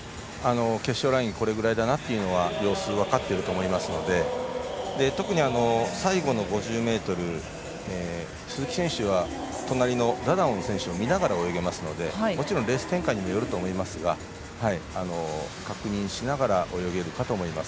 決勝ラインはこれくらいだなというのは様子分かっていると思いますので特に最後の５０ｍ、鈴木選手は隣のダダオン選手を見ながら泳げますのでレース展開にもよると思いますが確認しながら泳げるかと思います。